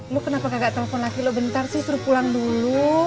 lo kenapa gak telpon laki lo bentar sih suruh pulang dulu